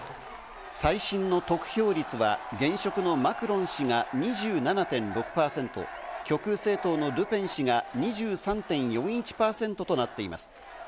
最新の得票率は現職のマクロン氏が２７．６％、極右政党のルペン氏が２３．４１％となっています。